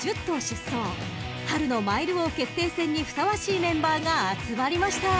［春のマイル王決定戦にふさわしいメンバーが集まりました］